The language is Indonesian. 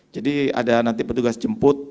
jadi ada nanti petugas jemput